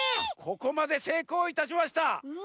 ここまでせいこういたしました！